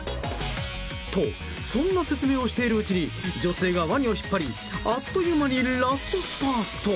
と、そんな説明をしているうちに女性がワニを引っ張りあっという間にラストスパート！